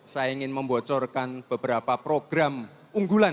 saya ingin membocorkan beberapa program unggulan